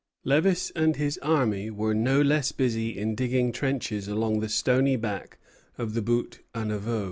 Lévis and his army were no less busy in digging trenches along the stony back of the Buttes à Neveu.